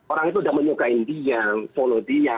orang itu sudah menyukainya follow dia